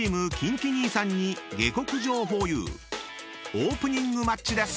［オープニングマッチです］